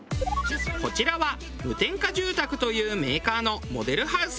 こちらは無添加住宅というメーカーのモデルハウス。